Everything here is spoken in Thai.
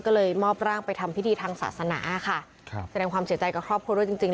ก็เลยมอบร่างไปทำพิธีทางศาสนาค่ะครับแสดงความเสียใจกับครอบครัวด้วยจริงจริง